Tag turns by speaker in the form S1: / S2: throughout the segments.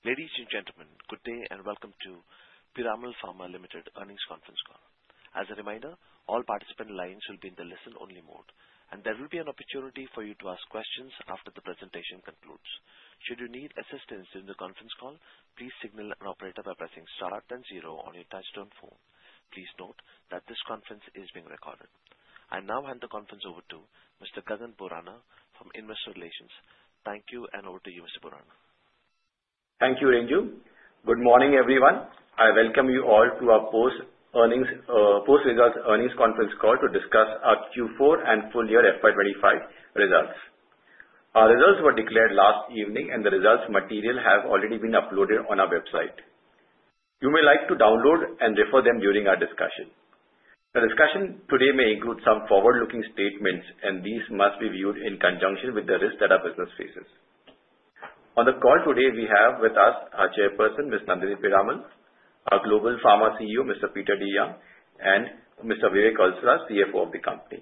S1: Ladies and gentlemen, good day and welcome to Piramal Pharma Emmanuel Walter Earnings Conference Call. As a reminder, all participant lines will be in the listen-only mode, and there will be an opportunity for you to ask questions after the presentation concludes. Should you need assistance during the conference call, please signal an operator by pressing star and zero on your touch-tone phone. Please note that this conference is being recorded. I now hand the conference over to Mr. Gagan Borana from Investor Relations. Thank you, and over to you, Mr. Borana.
S2: Thank you, Renju. Good morning, everyone. I welcome you all to our post-results earnings conference call to discuss our Q4 and full-year FY2025 results. Our results were declared last evening, and the results material has already been uploaded on our website. You may like to download and refer to them during our discussion. The discussion today may include some forward-looking statements, and these must be viewed in conjunction with the risks that our business faces. On the call today, we have with us our Chairperson, Ms. Nandini Piramal; our Global Pharma CEO, Mr. Peter DeYoung; and Mr. Vivek Utture, CFO of the company.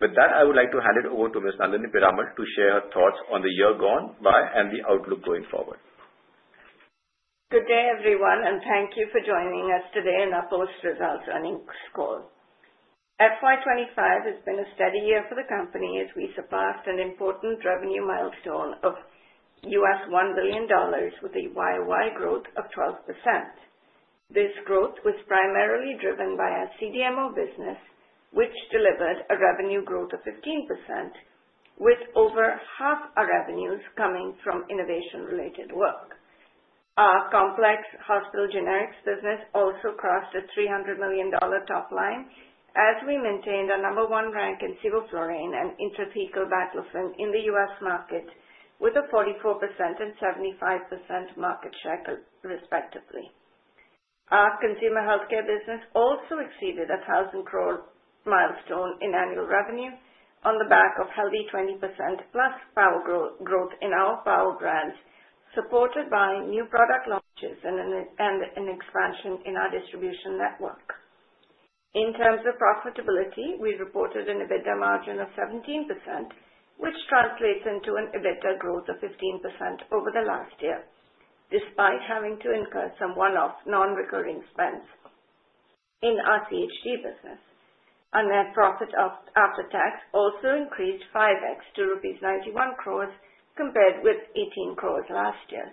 S2: With that, I would like to hand it over to Ms. Nandini Piramal to share her thoughts on the year gone by and the outlook going forward.
S3: Good day, everyone, and thank you for joining us today in our post-results earnings call. FY2025 has been a steady year for the company as we surpassed an important revenue milestone of $1 billion, with a year-over-year growth of 12%. This growth was primarily driven by our CDMO business, which delivered a revenue growth of 15%, with over half our revenues coming from innovation-related work. Our complex hospital generics business also crossed a $300 million top line as we maintained our number one rank in sevoflurane and intrathecal baclofen in the U.S. market, with a 44% and 75% market share, respectively. Our consumer healthcare business also exceeded an 1,000 crore milestone in annual revenue on the back of healthy 20% plus growth in our power brands, supported by new product launches and an expansion in our distribution network. In terms of profitability, we reported an EBITDA margin of 17%, which translates into an EBITDA growth of 15% over the last year, despite having to incur some one-off non-recurring spends. In our CHG business, our net profit after tax also increased 5X to rupees 91 crore, compared with 18 crore last year.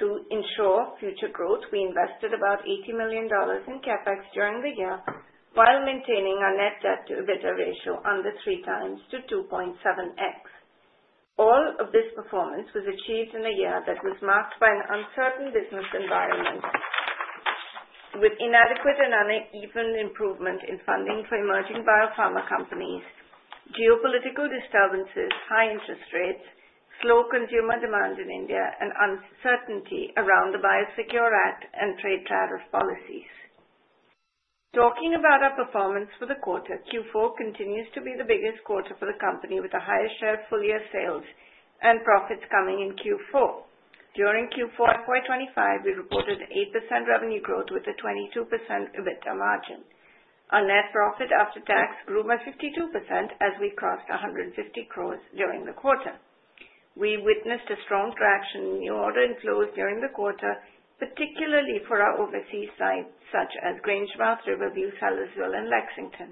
S3: To ensure future growth, we invested about $80 million in CapEx during the year, while maintaining our net debt-to-EBITDA ratio under three times to 2.7X. All of this performance was achieved in a year that was marked by an uncertain business environment, with inadequate and uneven improvement in funding for emerging biopharma companies, geopolitical disturbances, high interest rates, slow consumer demand in India, and uncertainty around the Biosecure Act and trade tariff policies. Talking about our performance for the quarter, Q4 continues to be the biggest quarter for the company, with the highest share of full-year sales and profits coming in Q4. During Q4, FY2025, we reported 8% revenue growth with a 22% EBITDA margin. Our net profit after tax grew by 52% as we crossed 150 crore during the quarter. We witnessed strong traction in new order inflows during the quarter, particularly for our overseas sites, such as Grangemouth, Riverview, Sellersville, and Lexington.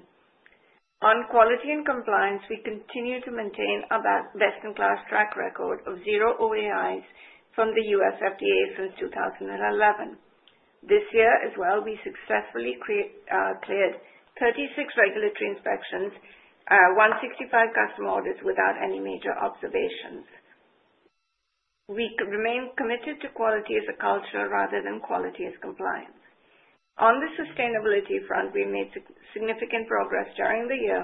S3: On quality and compliance, we continue to maintain our best-in-class track record of zero OAIs from the U.S. FDA since 2011. This year as well, we successfully cleared 36 regulatory inspections and 165 customer audits without any major observations. We remain committed to quality as a culture rather than quality as compliance. On the sustainability front, we made significant progress during the year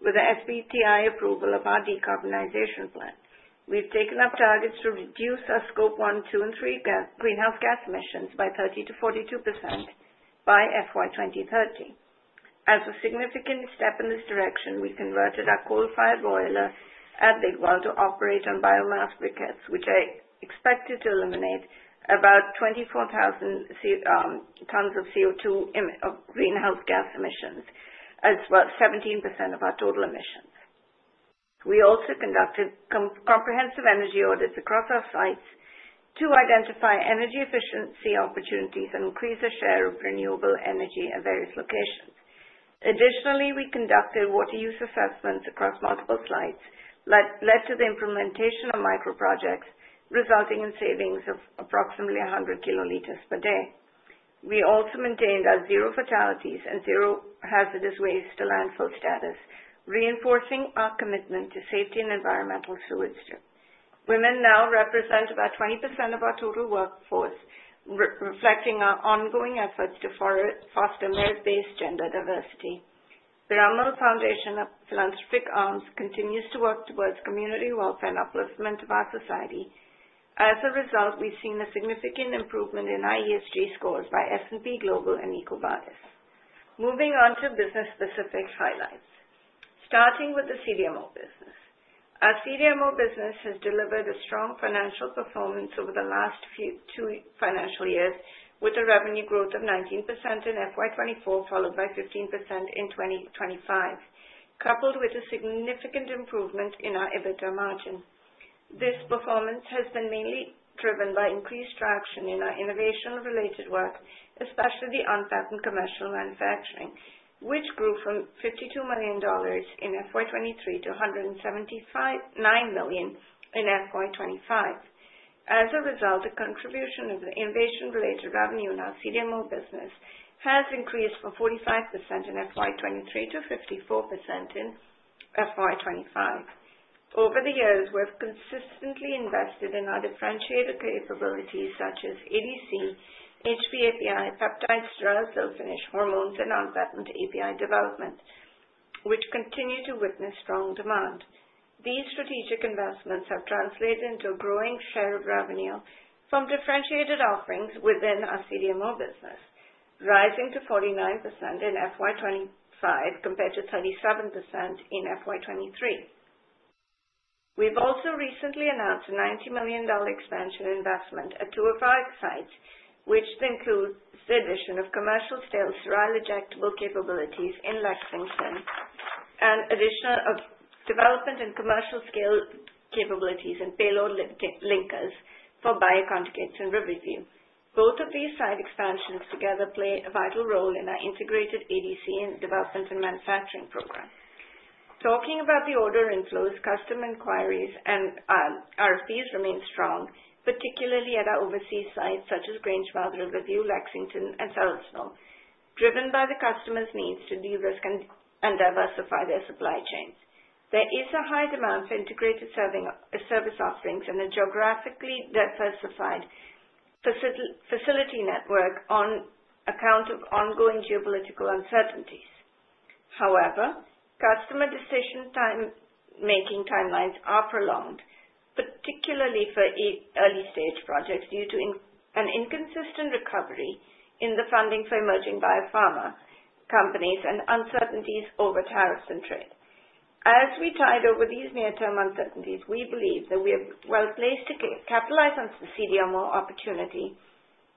S3: with the SBTI approval of our decarbonization plan. We've taken up targets to reduce our Scope 1, 2, and 3 greenhouse gas emissions by 30%-42% by FY2030. As a significant step in this direction, we converted our coal-fired boiler at Big Wells to operate on biomass briquettes, which are expected to eliminate about 24,000 tons of CO2 greenhouse gas emissions, as well as 17% of our total emissions. We also conducted comprehensive energy audits across our sites to identify energy efficiency opportunities and increase our share of renewable energy at various locations. Additionally, we conducted water use assessments across multiple sites, which led to the implementation of microprojects, resulting in savings of approximately 100 kiloliters per day. We also maintained our zero fatalities and zero hazardous waste to landfill status, reinforcing our commitment to safety and environmental stewardship. Women now represent about 20% of our total workforce, reflecting our ongoing efforts to foster male-based gender diversity. The Piramal Foundation, our philanthropic arm, continues to work towards community welfare and upliftment of our society. As a result, we've seen a significant improvement in ESG scores by S&P Global and Equal Bias. Moving on to business-specific highlights, starting with the CDMO business. Our CDMO business has delivered a strong financial performance over the last two financial years, with a revenue growth of 19% in FY2024, followed by 15% in 2025, coupled with a significant improvement in our EBITDA margin. This performance has been mainly driven by increased traction in our innovation-related work, especially the unpatented commercial manufacturing, which grew from $52 million in FY2023 to $179 million in FY2025. As a result, the contribution of the innovation-related revenue in our CDMO business has increased from 45% in FY2023 to 54% in FY2025. Over the years, we have consistently invested in our differentiated capabilities, such as ADC, HPAPI, peptide sterile cell finish hormones, and unpatented API development, which continue to witness strong demand. These strategic investments have translated into a growing share of revenue from differentiated offerings within our CDMO business, rising to 49% in FY2025 compared to 37% in FY2023. We've also recently announced a $90 million expansion investment at two of our sites, which includes the addition of commercial-scale sterile injectable capabilities in Lexington and additional development and commercial-scale capabilities in payload linkers for bioconjugates in Riverview. Both of these site expansions together play a vital role in our integrated ADC and development and manufacturing program. Talking about the order inflows, customer inquiries and RFPs remain strong, particularly at our overseas sites such as Grangemouth, Riverview, Lexington, and Sellersville, driven by the customer's needs to de-risk and diversify their supply chains. There is a high demand for integrated service offerings and a geographically diversified facility network on account of ongoing geopolitical uncertainties. However, customer decision-making timelines are prolonged, particularly for early-stage projects due to an inconsistent recovery in the funding for emerging biopharma companies and uncertainties over tariffs and trade. As we tide over these near-term uncertainties, we believe that we are well-placed to capitalize on CDMO opportunity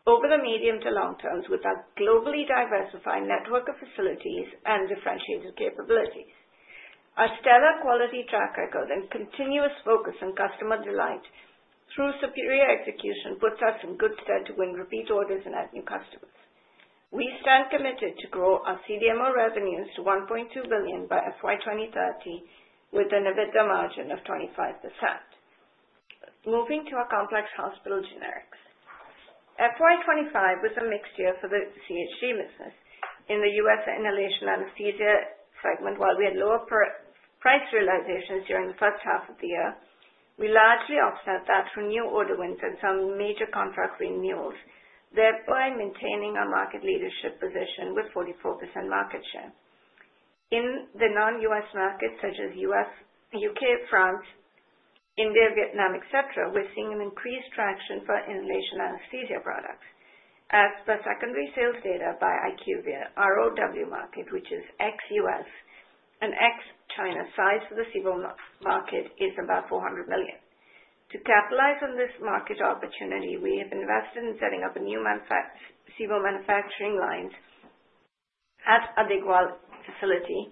S3: over the medium to long terms with our globally diversified network of facilities and differentiated capabilities. Our stellar quality track record and continuous focus on customer delight through superior execution puts us in good stead to win repeat orders and add new customers. We stand committed to grow our CDMO revenues to $1.2 billion by FY2030 with an EBITDA margin of 25%. Moving to our complex hospital generics, FY2025 was a mixed year for the CHG business. In the U.S. inhalation anesthesia segment, while we had lower price realizations during the first half of the year, we largely offset that through new order wins and some major contract renewals, thereby maintaining our market leadership position with 44% market share. In the non-U.S. markets such as U.K., France, India, Vietnam, etc., we're seeing increased traction for inhalation anesthesia products. As per secondary sales data by IQVIA, our ROW market, which is ex-U.S. and ex-China, size for the CHG market is about $400 million. To capitalize on this market opportunity, we have invested in setting up a new CBO manufacturing line at our Big Wells facility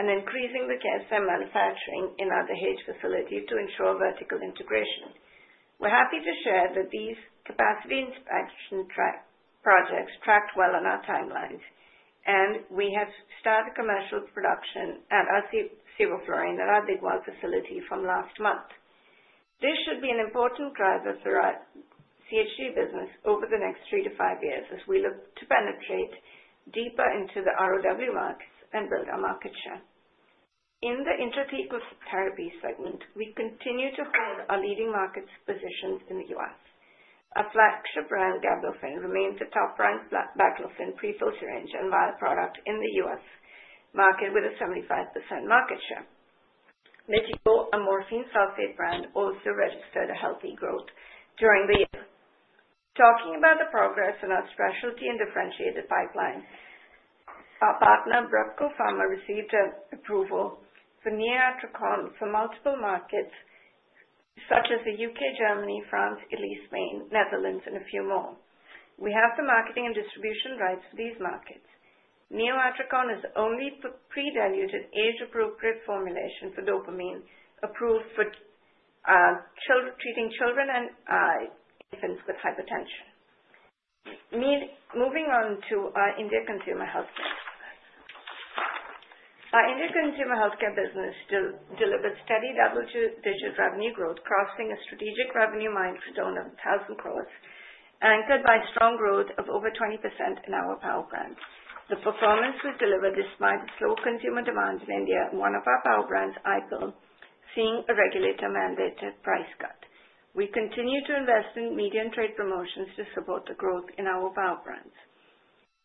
S3: and increasing the KSM manufacturing in our DH facility to ensure vertical integration. We're happy to share that these capacity expansion projects tracked well on our timelines, and we have started commercial production of our sevoflurane at our Big Wells facility from last month. This should be an important driver for our CHG business over the next three to five years as we look to penetrate deeper into the ROW markets and build our market share. In the intrathecal therapy segment, we continue to hold our leading market positions in the US. Our flagship brand, Gabanofen, remains a top-brand baclofen prefill syringe and vial product in the US market with a 75% market share. Methlamorphine sulfate brand also registered a healthy growth during the year. Talking about the progress in our specialty and differentiated pipeline, our partner Bracco Pharma received approval for NeoActricon for multiple markets such as the U.K., Germany, France, Italy, Spain, Netherlands, and a few more. We have the marketing and distribution rights for these markets. NeoActricon is the only pre-diluted, age-appropriate formulation for dopamine approved for treating children and infants with hypertension. Moving on to our India consumer healthcare business, our India consumer healthcare business still delivers steady double-digit revenue growth, crossing a strategic revenue milestone of 1,000 crore, anchored by a strong growth of over 20% in our power brand. The performance was delivered despite the slow consumer demand in India and one of our power brands, IPIL, seeing a regulator-mandated price cut. We continue to invest in median trade promotions to support the growth in our power brands.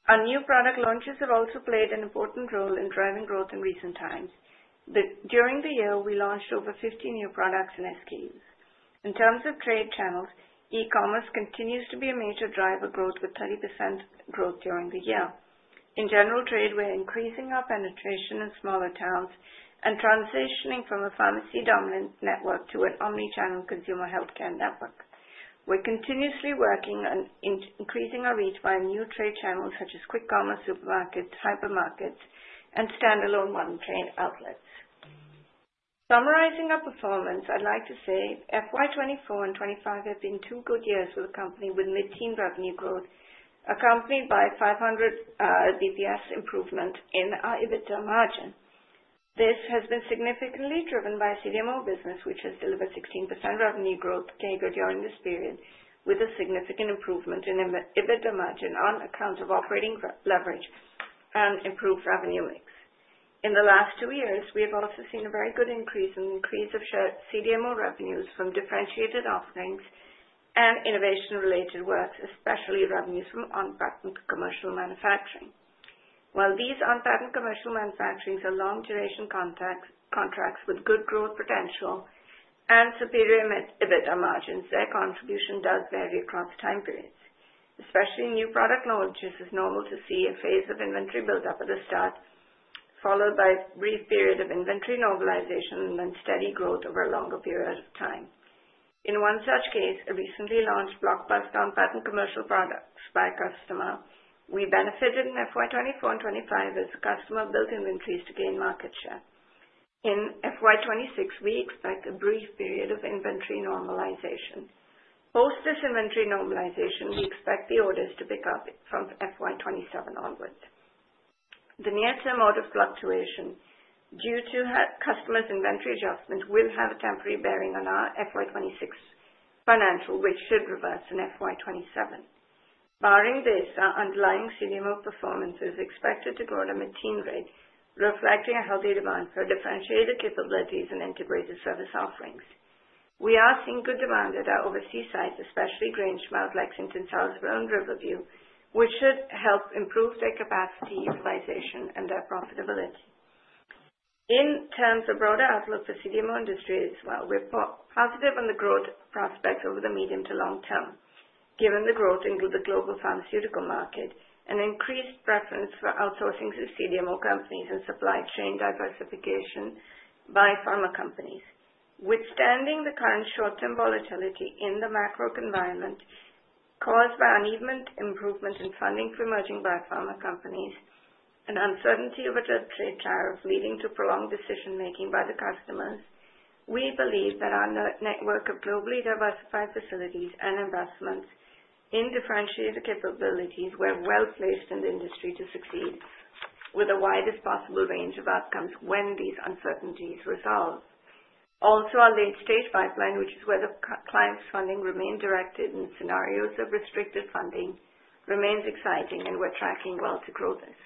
S3: Our new product launches have also played an important role in driving growth in recent times. During the year, we launched over 50 new products and SKUs. In terms of trade channels, e-commerce continues to be a major driver of growth, with 30% growth during the year. In general trade, we're increasing our penetration in smaller towns and transitioning from a pharmacy-dominant network to an omnichannel consumer healthcare network. We're continuously working on increasing our reach via new trade channels such as quick commerce, supermarkets, hypermarkets, and standalone modern trade outlets. Summarizing our performance, I'd like to say 2024 and 2025 have been two good years for the company with mid-teen revenue growth, accompanied by a 500 basis points improvement in our EBITDA margin. This has been significantly driven by CDMO business, which has delivered 16% revenue growth, catered during this period, with a significant improvement in EBITDA margin on account of operating leverage and improved revenue mix. In the last two years, we have also seen a very good increase in the increase of CDMO revenues from differentiated offerings and innovation-related works, especially revenues from unpatented commercial manufacturing. While these unpatented commercial manufacturings are long-duration contracts with good growth potential and superior EBITDA margins, their contribution does vary across time periods. Especially in new product launches, it's normal to see a phase of inventory build-up at the start, followed by a brief period of inventory normalization and then steady growth over a longer period of time. In one such case, a recently launched blockbuster unpatented commercial product by a customer, we benefited in FY2024 and 2025 as the customer built inventories to gain market share. In FY2026, we expect a brief period of inventory normalization. Post this inventory normalization, we expect the orders to pick up from FY2027 onwards. The near-term order fluctuation due to customers' inventory adjustments will have a temporary bearing on our FY2026 financial, which should reverse in FY2027. Barring this, our underlying CDMO performance is expected to grow at a mid-teens rate, reflecting a healthy demand for differentiated capabilities and integrated service offerings. We are seeing good demand at our overseas sites, especially Grangemouth, Lexington, Salisbury, and Riverview, which should help improve their capacity utilization and their profitability. In terms of broader outlook for the CDMO industry as well, we're positive on the growth prospects over the medium to long term, given the growth in the global pharmaceutical market and increased preference for outsourcing to CDMO companies and supply chain diversification by pharma companies. Withstanding the current short-term volatility in the macro environment caused by uneven improvement in funding for emerging biopharma companies and uncertainty over trade tariffs leading to prolonged decision-making by the customers, we believe that our network of globally diversified facilities and investments in differentiated capabilities, we're well-placed in the industry to succeed with the widest possible range of outcomes when these uncertainties resolve. Also, our late-stage pipeline, which is where the client's funding remained directed in scenarios of restricted funding, remains exciting, and we're tracking well to grow this.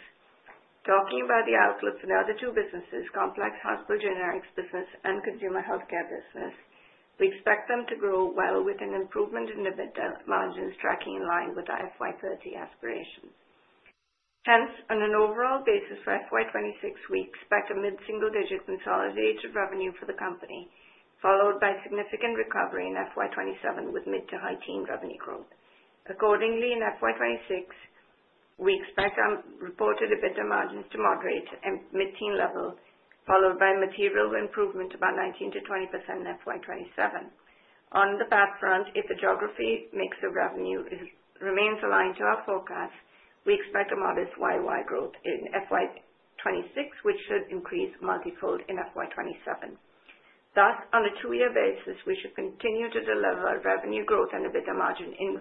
S3: Talking about the outlook for the other two businesses, complex hospital generics business and consumer healthcare business, we expect them to grow well with an improvement in EBITDA margins tracking in line with our FY2030 aspirations. Hence, on an overall basis for FY2026, we expect a mid-single-digit consolidated revenue for the company, followed by significant recovery in FY2027 with mid-to-high-teen revenue growth. Accordingly, in FY2026, we expect reported EBITDA margins to moderate at mid-teen level, followed by material improvement to about 19%-20% in FY2027. On the back front, if the geography mix of revenue remains aligned to our forecast, we expect a modest year-over-year growth in FY2026, which should increase multi-fold in FY2027. Thus, on a two-year basis, we should continue to deliver revenue growth and EBITDA margin in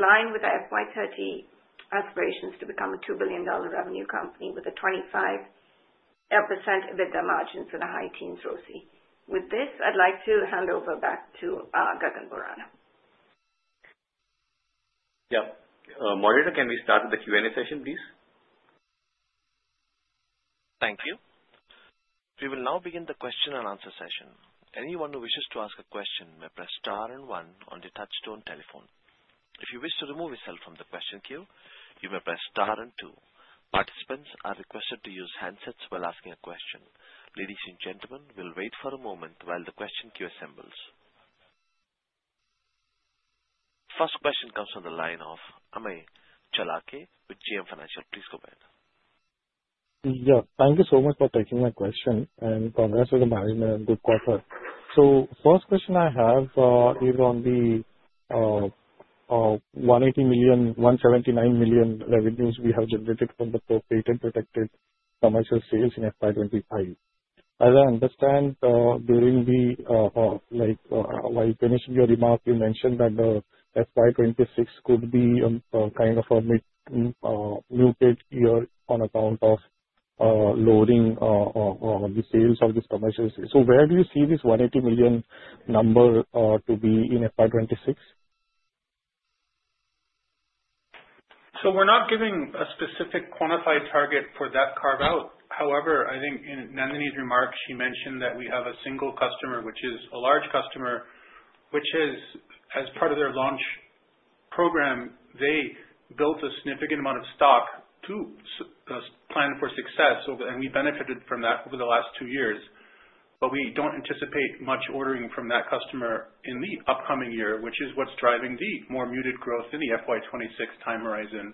S3: line with our FY2030 aspirations to become a $2 billion revenue company with a 25% EBITDA margin for the high-team thrusty. With this, I'd like to hand over back to Gagan Borana.
S2: Yep. Monitor, can we start with the Q&A session, please?
S1: Thank you. We will now begin the question and answer session. Anyone who wishes to ask a question may press star and one on the touchstone telephone. If you wish to remove yourself from the question queue, you may press star and two. Participants are requested to use handsets while asking a question. Ladies and gentlemen, we'll wait for a moment while the question queue assembles. First question comes from the line of Amay Chalakke with GM Financial. Please go ahead.
S4: Yes. Thank you so much for taking my question, and congrats to the management and good quarter. First question I have is on the $179 million revenues we have generated from the propagated protected commercial sales in FY2025. As I understand, during the, like while finishing your remark, you mentioned that FY2026 could be kind of a mid-new bid year on account of lowering the sales of these commercials. Where do you see this $180 million number to be in FY2026?
S5: We're not giving a specific quantified target for that carve-out. However, I think in Nandini's remarks, she mentioned that we have a single customer, which is a large customer, which is as part of their launch program. They built a significant amount of stock to plan for success, and we benefited from that over the last two years. We don't anticipate much ordering from that customer in the upcoming year, which is what's driving the more muted growth in the FY2026 time horizon.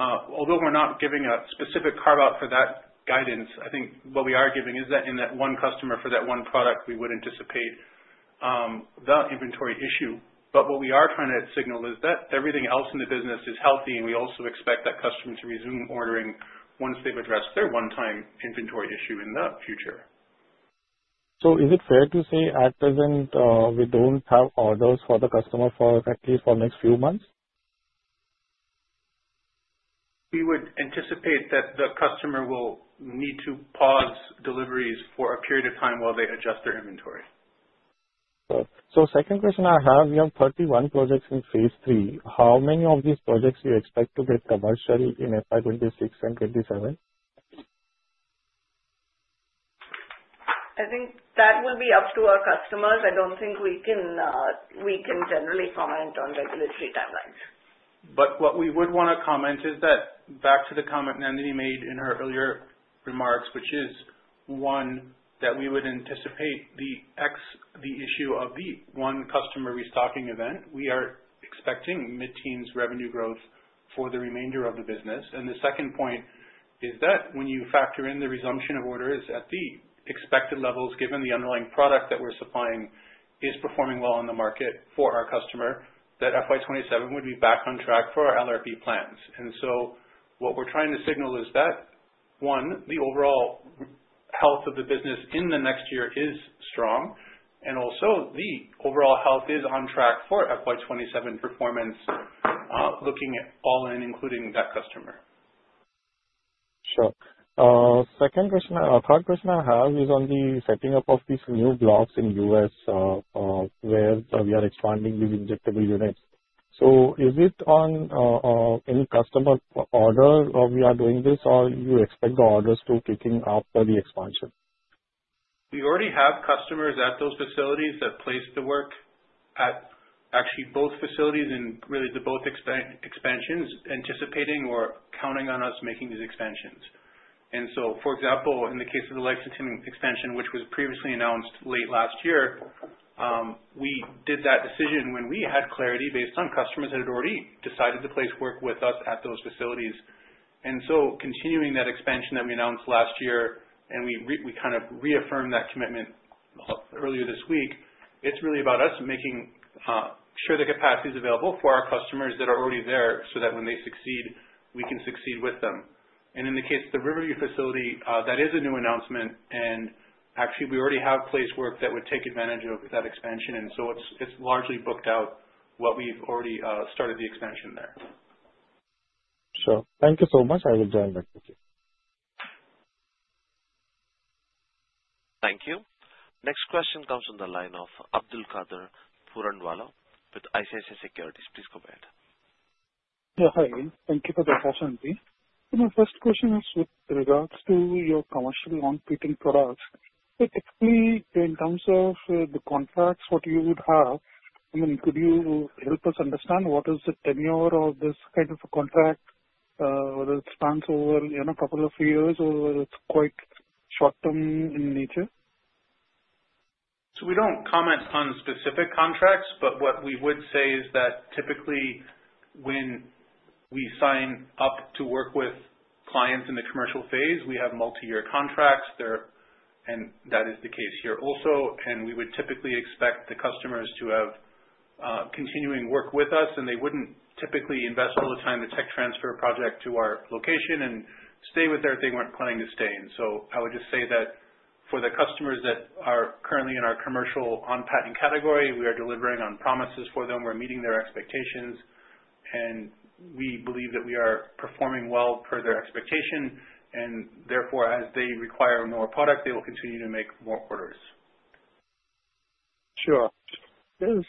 S5: Although we're not giving a specific carve-out for that guidance, I think what we are giving is that in that one customer for that one product, we would anticipate the inventory issue. What we are trying to signal is that everything else in the business is healthy, and we also expect that customer to resume ordering once they've addressed their one-time inventory issue in the future.
S4: Is it fair to say at present we don't have orders for the customer for at least the next few months?
S5: We would anticipate that the customer will need to pause deliveries for a period of time while they adjust their inventory.
S4: Second question I have, we have 31 projects in phase three. How many of these projects do you expect to get commercial in FY2026 and 2027?
S3: I think that will be up to our customers. I don't think we can generally comment on regulatory timelines.
S5: What we would want to comment is that, back to the comment Nandini made in her earlier remarks, which is, one, that we would anticipate the issue of the one customer restocking event. We are expecting mid-teens revenue growth for the remainder of the business. The second point is that when you factor in the resumption of orders at the expected levels, given the underlying product that we are supplying is performing well on the market for our customer, FY2027 would be back on track for our LRP plans. What we are trying to signal is that, one, the overall health of the business in the next year is strong, and also the overall health is on track for FY2027 performance, looking at all in, including that customer.
S4: Sure. Second question, or third question I have is on the setting up of these new blocks in the US where we are expanding these injectable units. Is it on any customer order we are doing this, or do you expect the orders to be kicking off for the expansion?
S5: We already have customers at those facilities that place the work at actually both facilities and really both expansions anticipating or counting on us making these expansions. For example, in the case of the Lexington expansion, which was previously announced late last year, we did that decision when we had clarity based on customers that had already decided to place work with us at those facilities. Continuing that expansion that we announced last year, and we kind of reaffirmed that commitment earlier this week, it's really about us making sure the capacity is available for our customers that are already there so that when they succeed, we can succeed with them. In the case of the Riverview facility, that is a new announcement, and actually we already have placed work that would take advantage of that expansion. It's largely booked out what we've already started the expansion there.
S4: Sure. Thank you so much. I will join back with you.
S1: Thank you. Next question comes from the line of Abdul Qadir Purandwala with ICICI Securities. Please go ahead.
S6: Yeah. Hi. Thank you for the opportunity. My first question is with regards to your commercially non-competing products. Typically, in terms of the contracts, what you would have, I mean, could you help us understand what is the tenure of this kind of a contract, whether it spans over a couple of years or whether it's quite short-term in nature?
S5: We do not comment on specific contracts, but what we would say is that typically when we sign up to work with clients in the commercial phase, we have multi-year contracts, and that is the case here also. We would typically expect the customers to have continuing work with us, and they would not typically invest all the time to tech transfer a project to our location and stay with us if they were not planning to stay. I would just say that for the customers that are currently in our commercial unpatented category, we are delivering on promises for them. We are meeting their expectations, and we believe that we are performing well per their expectation. Therefore, as they require more product, they will continue to make more orders.
S6: Sure. The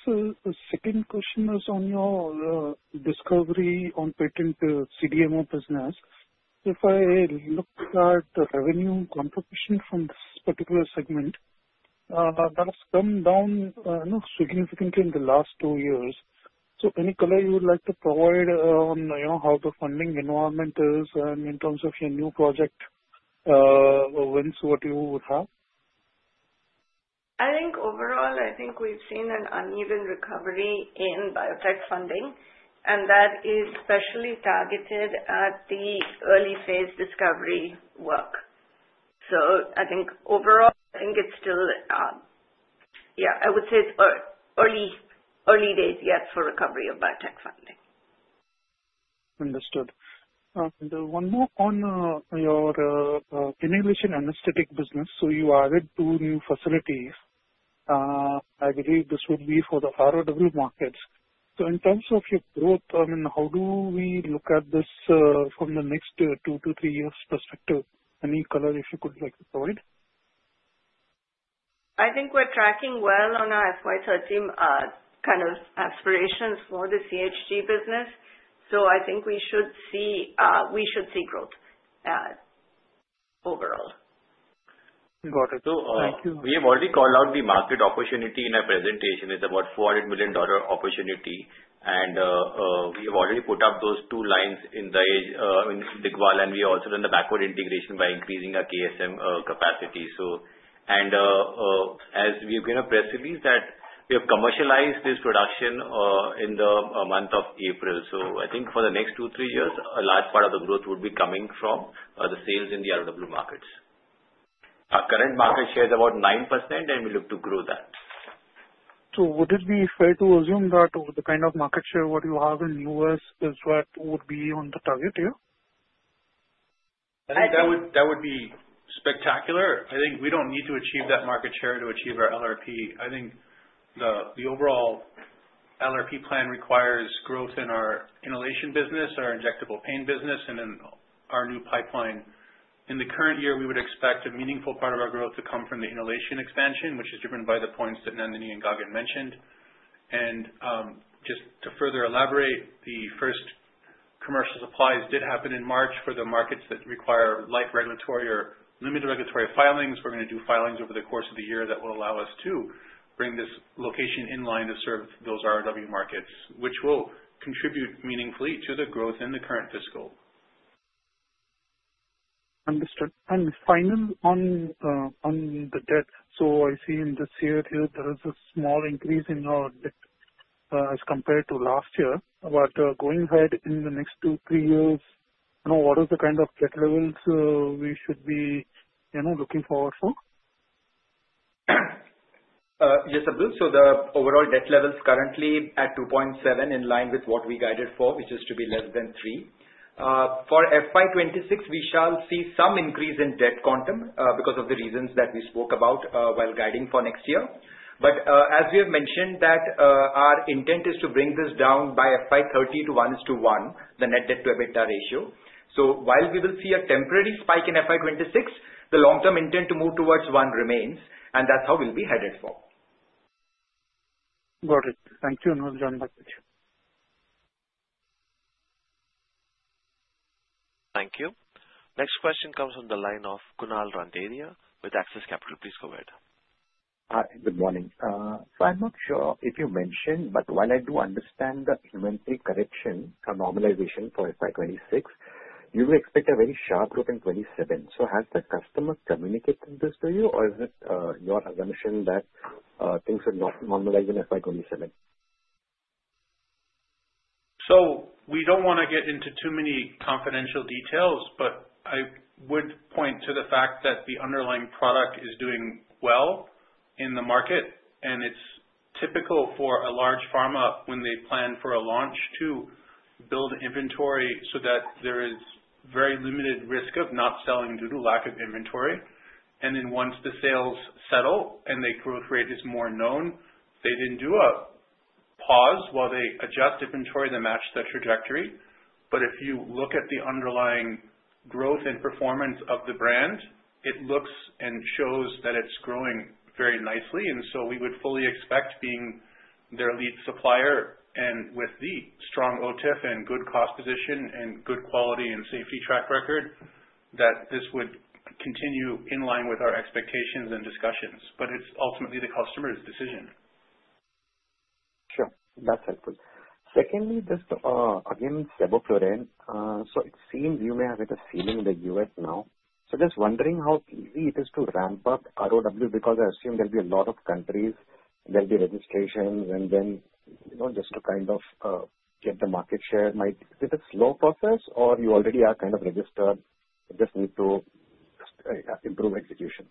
S6: second question is on your discovery on patent CDMO business. If I look at the revenue contribution from this particular segment, that has come down significantly in the last two years. Any color you would like to provide on how the funding environment is and in terms of your new project events, what you would have?
S3: I think overall, we've seen an uneven recovery in biotech funding, and that is especially targeted at the early phase discovery work. I think it's still, yeah, I would say it's early days yet for recovery of biotech funding.
S6: Understood. One more on your inhalation anesthetic business. You added two new facilities. I believe this would be for the ROW markets. In terms of your growth, I mean, how do we look at this from the next two to three years' perspective? Any color if you could like to provide?
S3: I think we're tracking well on our FY2013 kind of aspirations for the CHG business. I think we should see growth overall.
S6: Got it.
S7: We have already called out the market opportunity in our presentation. It is about $400 million opportunity, and we have already put up those two lines in the Big Wells, and we also done the backward integration by increasing our KSM capacity. As we have mentioned at press release that we have commercialized this production in the month of April. I think for the next two-three years, a large part of the growth would be coming from the sales in the ROW markets. Our current market share is about 9%, and we look to grow that.
S6: Would it be fair to assume that the kind of market share what you have in the US is what would be on the target here?
S5: I think that would be spectacular. I think we do not need to achieve that market share to achieve our LRP. I think the overall LRP plan requires growth in our inhalation business, our injectable pain business, and then our new pipeline. In the current year, we would expect a meaningful part of our growth to come from the inhalation expansion, which is driven by the points that Nandini and Gagan mentioned. Just to further elaborate, the first commercial supplies did happen in March for the markets that require light regulatory or limited regulatory filings. We are going to do filings over the course of the year that will allow us to bring this location in line to serve those ROW markets, which will contribute meaningfully to the growth in the current fiscal.
S6: Understood. Finally, on the debt, I see in this year here, there is a small increase in our debt as compared to last year. Going ahead in the next two to three years, what are the kind of debt levels we should be looking forward for?
S7: Yes, Abdul. The overall debt level is currently at 2.7 in line with what we guided for, which is to be less than 3. For FY2026, we shall see some increase in debt quantum because of the reasons that we spoke about while guiding for next year. As we have mentioned, our intent is to bring this down by FY2030 to 1:1, the net debt to EBITDA ratio. While we will see a temporary spike in FY2026, the long-term intent to move towards 1 remains, and that's how we'll be headed for.
S6: Got it. Thank you. We'll join back with you.
S1: Thank you. Next question comes from the line of Kunal Randhania with Axis Capital. Please go ahead.
S8: Hi. Good morning. I'm not sure if you mentioned, but while I do understand the inventory correction, a normalization for FY2026, you will expect a very sharp growth in 2027. Has the customer communicated this to you, or is it your assumption that things will not normalize in FY2027?
S5: We do not want to get into too many confidential details, but I would point to the fact that the underlying product is doing well in the market, and it is typical for a large pharma when they plan for a launch to build inventory so that there is very limited risk of not selling due to lack of inventory. Once the sales settle and the growth rate is more known, they then do a pause while they adjust inventory to match the trajectory. If you look at the underlying growth and performance of the brand, it looks and shows that it is growing very nicely. We would fully expect, being their lead supplier and with the strong OTIF and good cost position and good quality and safety track record, that this would continue in line with our expectations and discussions. It is ultimately the customer's decision.
S8: Sure. That's helpful. Secondly, just again, sevoflurane, so it seems you may have hit a ceiling in the US now. Just wondering how easy it is to ramp up ROW because I assume there will be a lot of countries, there will be registrations, and then just to kind of get the market share. Is it a slow process, or you already are kind of registered? You just need to improve execution?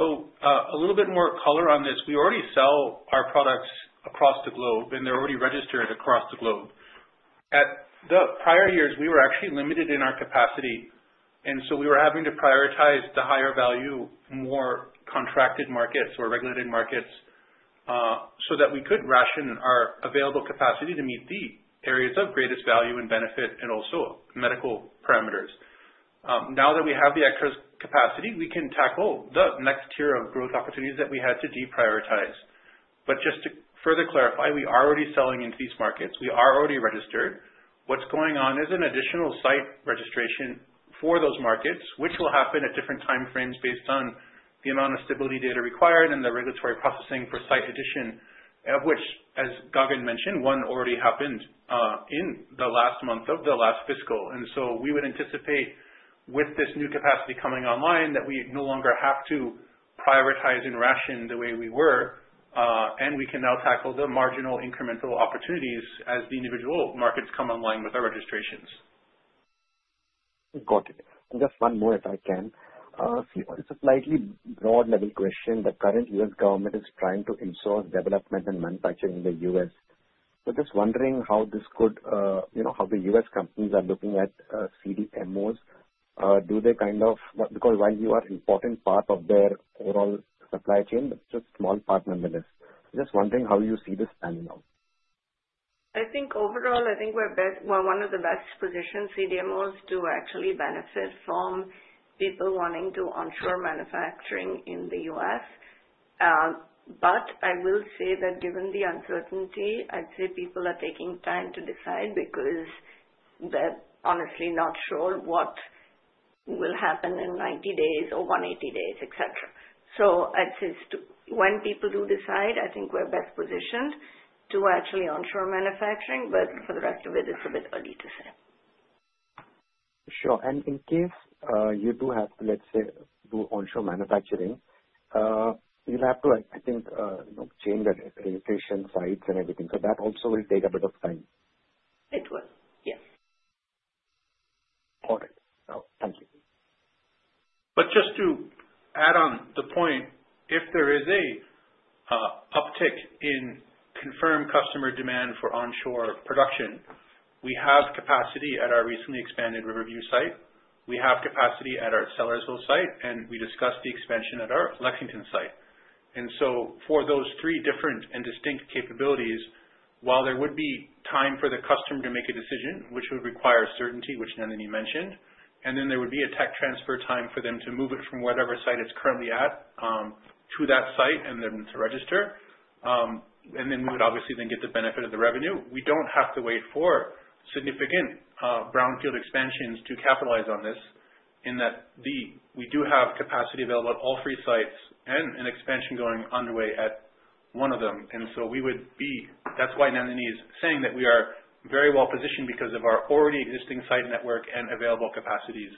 S5: A little bit more color on this. We already sell our products across the globe, and they're already registered across the globe. In the prior years, we were actually limited in our capacity, and so we were having to prioritize the higher value, more contracted markets or regulated markets so that we could ration our available capacity to meet the areas of greatest value and benefit and also medical parameters. Now that we have the extra capacity, we can tackle the next tier of growth opportunities that we had to deprioritize. Just to further clarify, we are already selling into these markets. We are already registered. What's going on is an additional site registration for those markets, which will happen at different time frames based on the amount of stability data required and the regulatory processing for site addition, of which, as Gagan mentioned, one already happened in the last month of the last fiscal. We would anticipate, with this new capacity coming online, that we no longer have to prioritize and ration the way we were, and we can now tackle the marginal incremental opportunities as the individual markets come online with our registrations.
S8: Got it. Just one more if I can. It's a slightly broad-level question. The current US government is trying to ensure development and manufacturing in the US. Just wondering how this could, how the US companies are looking at CDMOs. Do they kind of, because while you are an important part of their overall supply chain, but just a small part, none of this. Just wondering how you see this panel now.
S3: I think overall, I think we're one of the best positioned CDMOs to actually benefit from people wanting to onshore manufacturing in the U.S. I will say that given the uncertainty, I'd say people are taking time to decide because they're honestly not sure what will happen in 90 days or 180 days, etc. I'd say when people do decide, I think we're best positioned to actually onshore manufacturing, but for the rest of it, it's a bit early to say.
S8: Sure. In case you do have to, let's say, do onshore manufacturing, you'll have to, I think, change the registration sites and everything. That also will take a bit of time.
S3: It will. Yes.
S8: Got it. Thank you.
S5: Just to add on the point, if there is an uptick in confirmed customer demand for onshore production, we have capacity at our recently expanded Riverview site. We have capacity at our Sellersville site, and we discussed the expansion at our Lexington site. For those three different and distinct capabilities, while there would be time for the customer to make a decision, which would require certainty, which Nandini mentioned, and then there would be a tech transfer time for them to move it from whatever site it is currently at to that site and then to register, we would obviously then get the benefit of the revenue. We do not have to wait for significant brownfield expansions to capitalize on this in that we do have capacity available at all three sites and an expansion going underway at one of them. We would be, that's why Nandini is saying that we are very well positioned because of our already existing site network and available capacities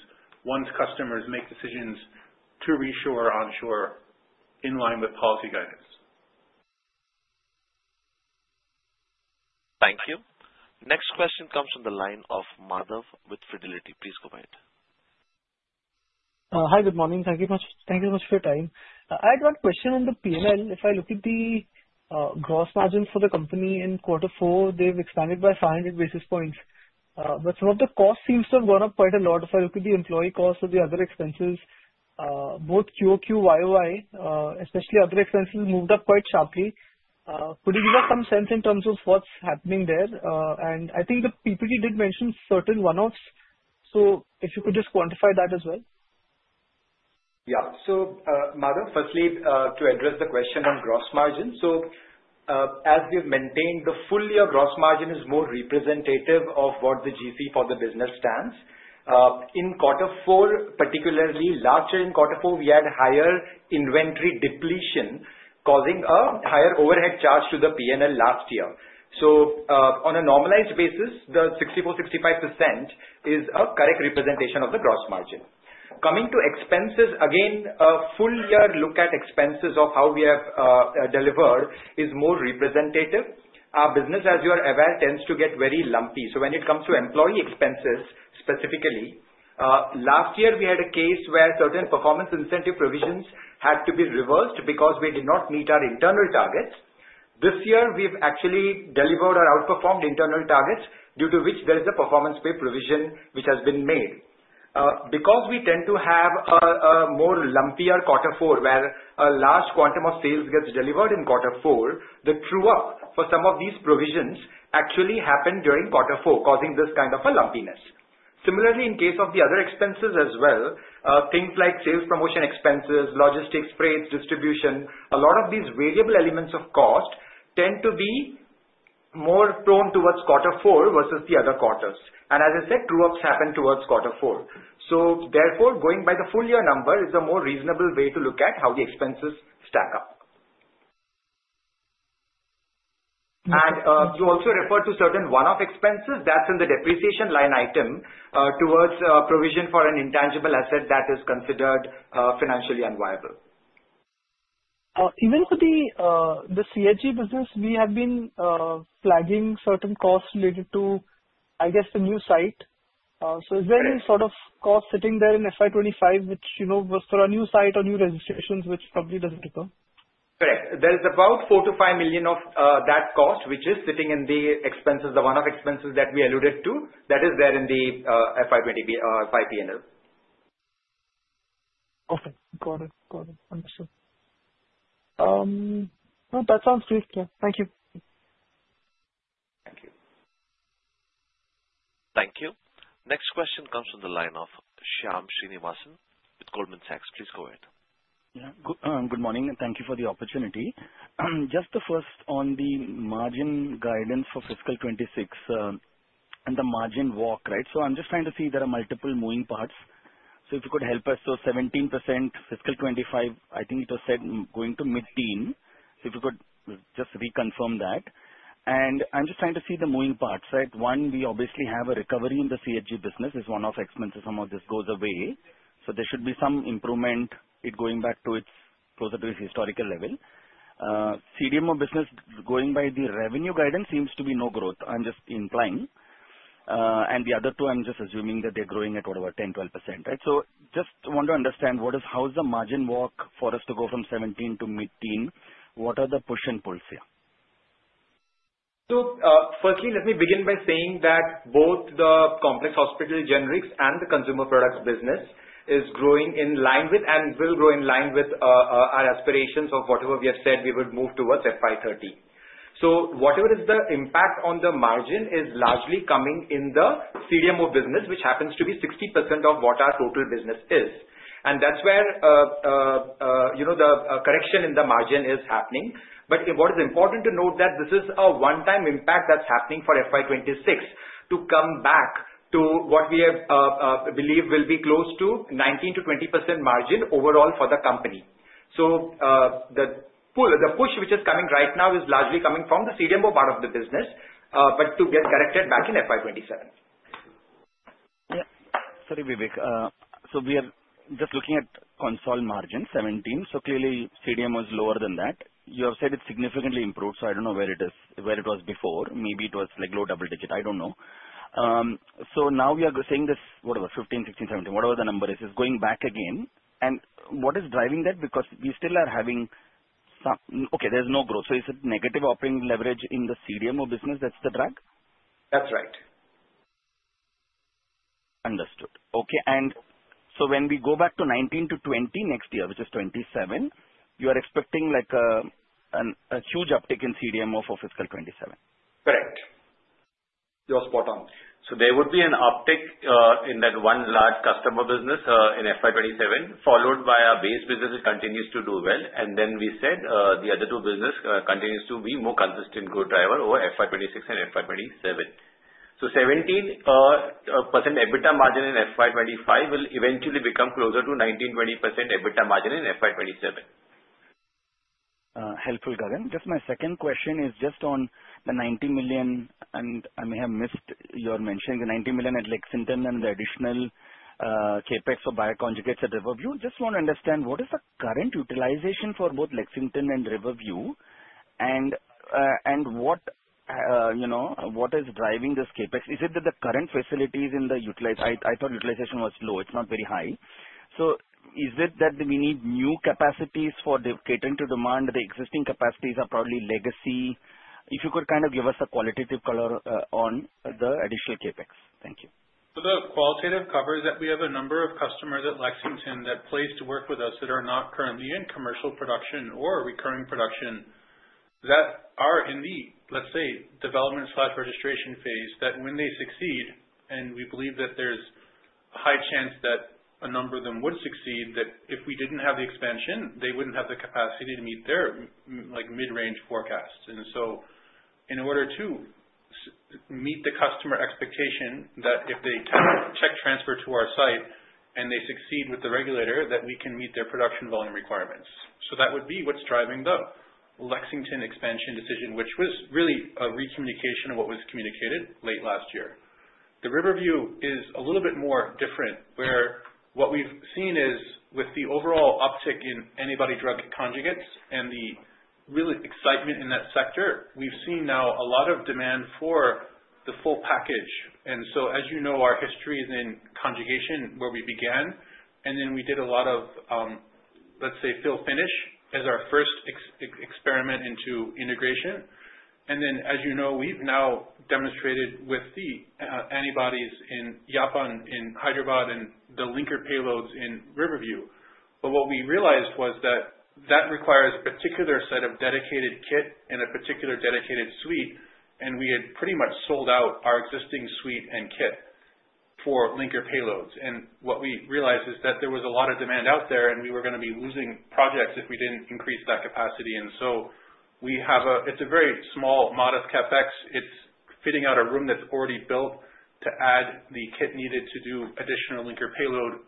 S5: once customers make decisions to reshore or onshore in line with policy guidance.
S1: Thank you. Next question comes from the line of Madhav with Fidelity. Please go ahead.
S9: Hi. Good morning. Thank you very much for your time. I had one question on the P&L. If I look at the gross margin for the company in quarter four, they've expanded by 500 basis points. Some of the costs seem to have gone up quite a lot. If I look at the employee costs or the other expenses, both QOQ, YOY, especially other expenses moved up quite sharply. Could you give us some sense in terms of what's happening there? I think the PPD did mention certain one-offs, so if you could just quantify that as well.
S7: Yeah. So Madhav, firstly, to address the question on gross margin. As we've maintained, the full year gross margin is more representative of what the GC for the business stands. In quarter four, particularly larger in quarter four, we had higher inventory depletion causing a higher overhead charge to the P&L last year. On a normalized basis, the 64%-65% is a correct representation of the gross margin. Coming to expenses, again, a full year look at expenses of how we have delivered is more representative. Our business, as you are aware, tends to get very lumpy. When it comes to employee expenses specifically, last year we had a case where certain performance incentive provisions had to be reversed because we did not meet our internal targets. This year, we've actually delivered or outperformed internal targets due to which there is a performance pay provision which has been made. Because we tend to have a more lumpier quarter four where a large quantum of sales gets delivered in quarter four, the true-up for some of these provisions actually happened during quarter four, causing this kind of a lumpiness. Similarly, in case of the other expenses as well, things like sales promotion expenses, logistics, freight, distribution, a lot of these variable elements of cost tend to be more prone towards quarter four versus the other quarters. As I said, true-ups happen towards quarter four. Therefore, going by the full year number is a more reasonable way to look at how the expenses stack up. You also referred to certain one-off expenses. That's in the depreciation line item towards provision for an intangible asset that is considered financially unviable.
S9: Even for the CHG business, we have been flagging certain costs related to, I guess, the new site. Is there any sort of cost sitting there in FY 2025, which was for a new site or new registrations, which probably does not occur?
S7: Correct. There's about $4 million-$5 million of that cost, which is sitting in the expenses, the one-off expenses that we alluded to. That is there in the FY2020, FYP and all.
S9: Okay. Got it. Got it. Understood. No, that sounds good. Yeah. Thank you.
S1: Thank you. Thank you. Next question comes from the line of Shyam Srinivasan with Goldman Sachs. Please go ahead.
S10: Yeah. Good morning. Thank you for the opportunity. Just the first on the margin guidance for fiscal 2026 and the margin walk, right? I'm just trying to see there are multiple moving parts. If you could help us. Seventeen percent fiscal 2025, I think it was said going to mid-teen. If you could just reconfirm that. I'm just trying to see the moving parts, right? One, we obviously have a recovery in the CHG business. If one-off expenses, some of this goes away, there should be some improvement, it going back to its closer to its historical level. CDMO business, going by the revenue guidance, seems to be no growth, I'm just implying. The other two, I'm just assuming that they're growing at whatever, 10-12%, right? Just want to understand how's the margin walk for us to go from 17% to mid-teen. What are the push and pulls here?
S7: Firstly, let me begin by saying that both the complex hospital generics and the consumer products business is growing in line with and will grow in line with our aspirations of whatever we have said we would move towards FY2030. Whatever is the impact on the margin is largely coming in the CDMO business, which happens to be 60% of what our total business is. That is where the correction in the margin is happening. What is important to note is that this is a one-time impact that is happening for FY2026 to come back to what we believe will be close to 19%-20% margin overall for the company. The push, which is coming right now, is largely coming from the CDMO part of the business, but to get corrected back in FY2027.
S10: Yeah. Sorry, Vivek. We are just looking at consolidated margin, 17. Clearly, CDMO is lower than that. You have said it significantly improved, so I do not know where it was before. Maybe it was low double-digit. I do not know. Now we are seeing this, whatever, 15, 16, 17, whatever the number is, is going back again. What is driving that? We still are having some, okay, there is no growth. Is it negative operating leverage in the CDMO business that is the drag?
S7: That's right.
S9: Understood. Okay. When we go back to 2019 to 2020 next year, which is 2027, you are expecting a huge uptick in CDMO for fiscal 2027?
S2: Correct. You're spot on. There would be an uptick in that one large customer business in FY 2027, followed by our base business that continues to do well. We said the other two businesses continue to be more consistent growth driver over FY 2026 and FY 2027. 17% EBITDA margin in FY 2025 will eventually become closer to 19-20% EBITDA margin in FY 2027.
S10: Helpful, Gagan. Just my second question is just on the $90 million, and I may have missed your mentioning, the $90 million at Lexington and the additional CapEx for bioconjugates at Riverview. Just want to understand what is the current utilization for both Lexington and Riverview, and what is driving this CapEx? Is it that the current facilities in the utilization—I thought utilization was low. It's not very high. Is it that we need new capacities for catering to demand? The existing capacities are probably legacy. If you could kind of give us a qualitative color on the additional CapEx. Thank you.
S5: The qualitative cover is that we have a number of customers at Lexington that placed to work with us that are not currently in commercial production or recurring production, that are in the, let's say, development/registration phase, that when they succeed, and we believe that there's a high chance that a number of them would succeed, that if we didn't have the expansion, they wouldn't have the capacity to meet their mid-range forecasts. In order to meet the customer expectation that if they check transfer to our site and they succeed with the regulator, we can meet their production volume requirements. That would be what's driving the Lexington expansion decision, which was really a recommunication of what was communicated late last year. Riverview is a little bit more different, where what we've seen is with the overall uptick in antibody drug conjugates and the real excitement in that sector, we've seen now a lot of demand for the full package. As you know, our history is in conjugation where we began, and then we did a lot of, let's say, fill-finish as our first experiment into integration. As you know, we've now demonstrated with the antibodies in Yapan in Hyderabad and the linker payloads in Riverview. What we realized was that that requires a particular set of dedicated kit and a particular dedicated suite, and we had pretty much sold out our existing suite and kit for linker payloads. What we realized is that there was a lot of demand out there, and we were going to be losing projects if we did not increase that capacity. We have a, it is a very small, modest CapEx. It is fitting out a room that is already built to add the kit needed to do additional linker payload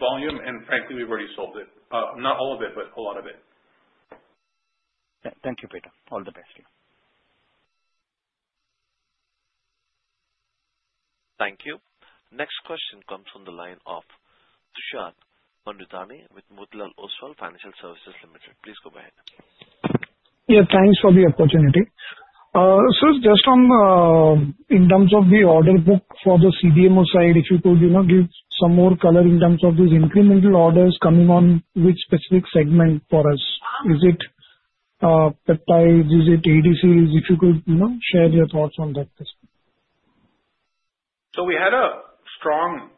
S5: volume, and frankly, we have already sold it. Not all of it, but a lot of it.
S10: Thank you, Peter. All the best.
S1: Thank you. Next question comes from the line of Tushar Mahendutani with Motilal Oswal Financial Services Limited. Please go ahead.
S11: Yeah. Thanks for the opportunity. Just in terms of the order book for the CDMO side, if you could give some more color in terms of these incremental orders coming on which specific segment for us? Is it peptides? Is it ADCs? If you could share your thoughts on that.
S5: We had a strong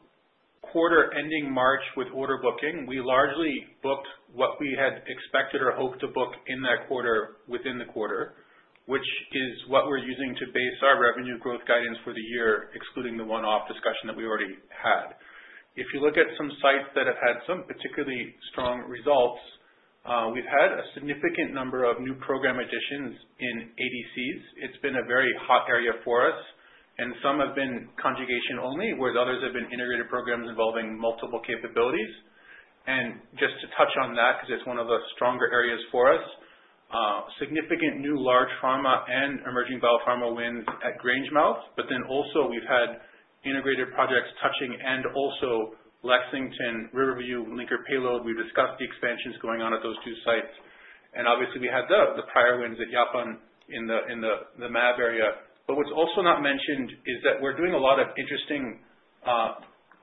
S5: quarter-ending March with order booking. We largely booked what we had expected or hoped to book in that quarter within the quarter, which is what we are using to base our revenue growth guidance for the year, excluding the one-off discussion that we already had. If you look at some sites that have had some particularly strong results, we have had a significant number of new program additions in ADCs. It has been a very hot area for us, and some have been conjugation only, whereas others have been integrated programs involving multiple capabilities. Just to touch on that, because it is one of the stronger areas for us, significant new large pharma and emerging biopharma wins at Grangemouth. We have also had integrated projects touching Lexington and Riverview, linker payload. We have discussed the expansions going on at those two sites. Obviously, we had the prior wins at Yapan in the MAB area. What's also not mentioned is that we're doing a lot of interesting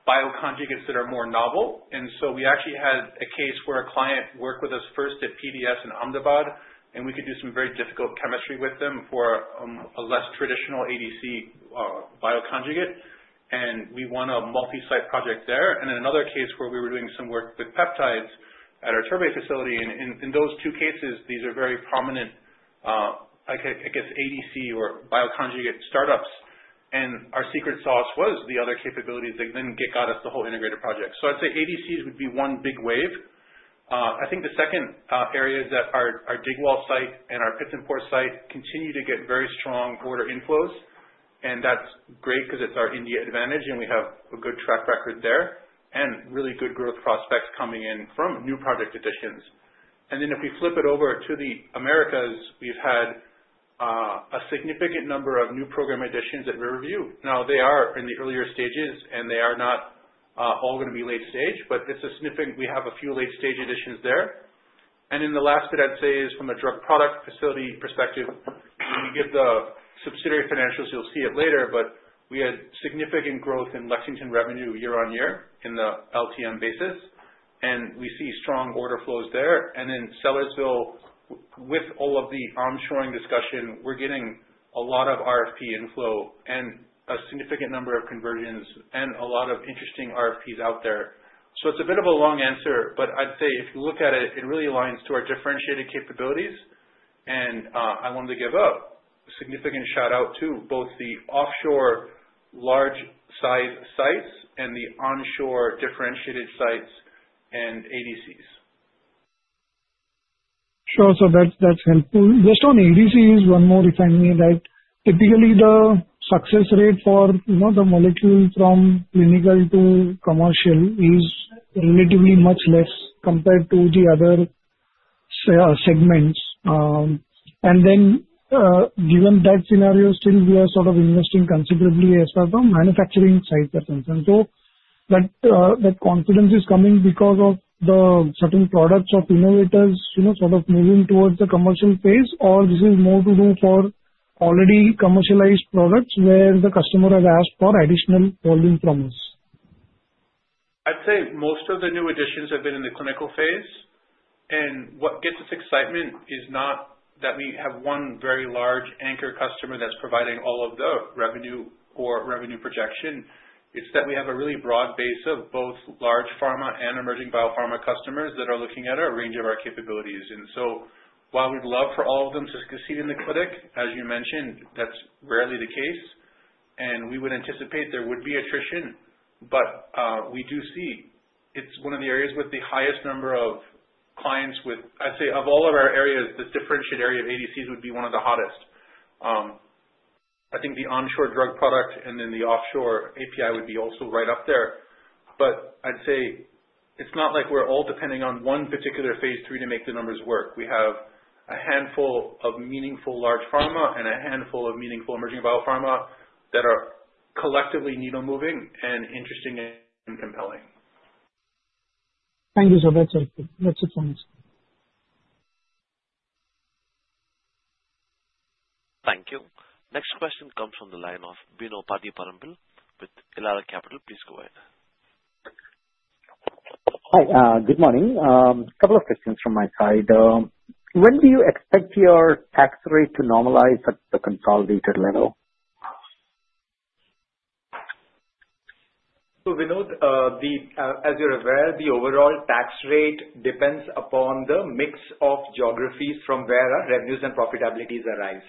S5: bioconjugates that are more novel. We actually had a case where a client worked with us first at PDS in Ahmedabad, and we could do some very difficult chemistry with them for a less traditional ADC bioconjugate. We won a multi-site project there. Another case was where we were doing some work with peptides at our Turbine facility. In those two cases, these are very prominent, I guess, ADC or bioconjugate startups. Our secret sauce was the other capabilities that then got us the whole integrated project. I'd say ADCs would be one big wave. I think the second area is that our Digwall site and our Pitts and Port site continue to get very strong order inflows. That is great because it is our India advantage, and we have a good track record there and really good growth prospects coming in from new project additions. If we flip it over to the Americas, we have had a significant number of new program additions at Riverview. Now, they are in the earlier stages, and they are not all going to be late-stage, but it is significant we have a few late-stage additions there. The last bit I would say is from a drug product facility perspective, when you get the subsidiary financials, you will see it later, but we had significant growth in Lexington revenue year-on-year in the LTM basis. We see strong order flows there. Sellersville, with all of the onshoring discussion, we're getting a lot of RFP inflow and a significant number of conversions and a lot of interesting RFPs out there. It's a bit of a long answer, but I'd say if you look at it, it really aligns to our differentiated capabilities. I wanted to give a significant shout-out to both the offshore large-size sites and the onshore differentiated sites and ADCs.
S11: Sure. That is helpful. Just on ADCs, one more if I may, right? Typically, the success rate for the molecule from clinical to commercial is relatively much less compared to the other segments. Given that scenario, still we are sort of investing considerably as far as the manufacturing sites are concerned. That confidence is coming because of the certain products of innovators sort of moving towards the commercial phase, or this is more to do for already commercialized products where the customer has asked for additional volume from us?
S5: I'd say most of the new additions have been in the clinical phase. What gets us excitement is not that we have one very large anchor customer that's providing all of the revenue or revenue projection. It's that we have a really broad base of both large pharma and emerging biopharma customers that are looking at a range of our capabilities. While we'd love for all of them to succeed in the clinic, as you mentioned, that's rarely the case. We would anticipate there would be attrition, but we do see it's one of the areas with the highest number of clients with, I'd say, of all of our areas, the differentiated area of ADCs would be one of the hottest. I think the onshore drug product and then the offshore API would be also right up there. I'd say it's not like we're all depending on one particular phase three to make the numbers work. We have a handful of meaningful large pharma and a handful of meaningful emerging biopharma that are collectively needle-moving and interesting and compelling.
S11: Thank you so much. That's it from us.
S1: Thank you. Next question comes from the line of Bino Pady Parambil with Elara Capital. Please go ahead.
S12: Hi. Good morning. A couple of questions from my side. When do you expect your tax rate to normalize at the consolidated level?
S7: Vinod, as you're aware, the overall tax rate depends upon the mix of geographies from where our revenues and profitabilities arise.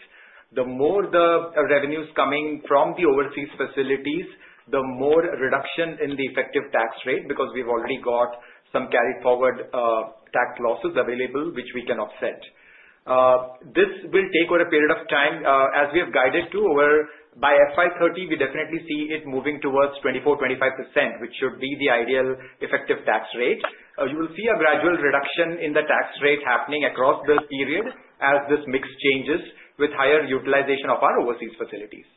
S7: The more the revenues coming from the overseas facilities, the more reduction in the effective tax rate because we've already got some carried-forward tax losses available, which we can offset. This will take over a period of time. As we have guided to over by FY2030, we definitely see it moving towards 24%-25%, which should be the ideal effective tax rate. You will see a gradual reduction in the tax rate happening across the period as this mix changes with higher utilization of our overseas facilities.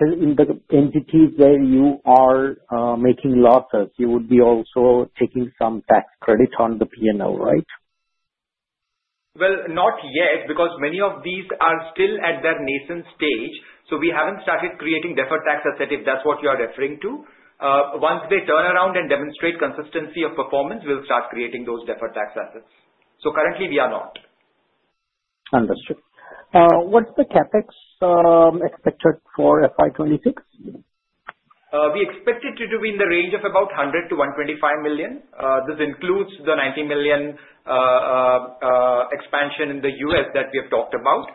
S12: In the entities where you are making losses, you would be also taking some tax credit on the P&L, right?
S7: Not yet because many of these are still at their nascent stage. So we haven't started creating deferred tax assets if that's what you are referring to. Once they turn around and demonstrate consistency of performance, we'll start creating those deferred tax assets. Currently, we are not.
S12: Understood. What's the CapEx expected for FY 2026?
S7: We expect it to be in the range of about $100 million-$125 million. This includes the $90 million expansion in the US that we have talked about.